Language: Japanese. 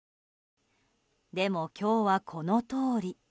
でも、今日はこのとおり。